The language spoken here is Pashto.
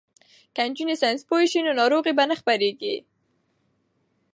که نجونې ساینس پوهې شي نو ناروغۍ به نه خپریږي.